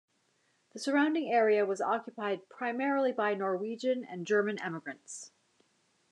The surrounding area was occupied primarily by Norwegian and German emigrants.